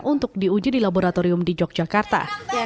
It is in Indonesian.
untuk diuji di laboratorium di yogyakarta